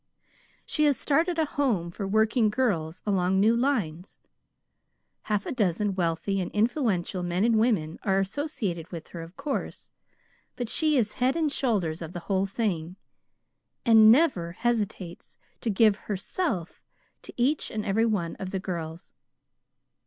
She has started a Home for Working Girls along new lines. Half a dozen wealthy and influential men and women are associated with her, of course, but she is head and shoulders of the whole thing, and never hesitates to give HERSELF to each and every one of the girls.